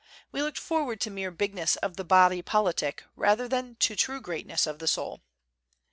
We looked forward to mere bigness of the body politic rather than to true greatness of the soul.